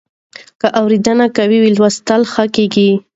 که اورېدنه قوي وي، لوستل ښه کېږي.